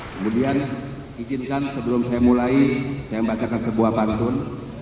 kemudian izinkan sebelum saya mulai saya bacakan sebuah pantun